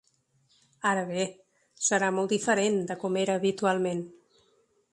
Ara bé, serà molt diferent de com era habitualment.